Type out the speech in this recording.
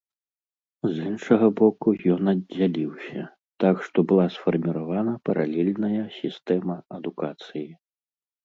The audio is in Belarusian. З іншага боку, ён аддзяліўся, так што была сфарміравана паралельная сістэма адукацыі.